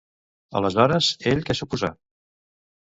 Aleshores, ell què suposà?